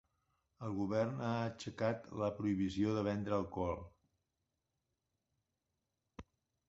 El govern ha aixecat la prohibició de vendre alcohol.